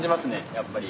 やっぱり。